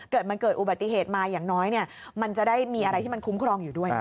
เกิดมันเกิดอุบัติเหตุมาอย่างน้อยมันจะได้มีอะไรที่มันคุ้มครองอยู่ด้วย